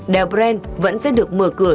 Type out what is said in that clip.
đèo brand vẫn sẽ được mở cửa